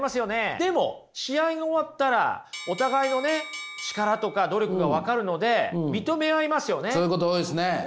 でも試合が終わったらお互いの力とか努力が分かるのでそういうこと多いですよね。